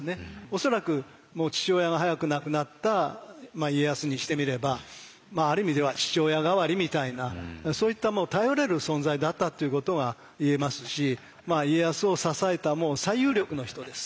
恐らくもう父親が早く亡くなった家康にしてみればある意味では父親代わりみたいなそういった頼れる存在だったっていうことがいえますし家康を支えたもう最有力の人です。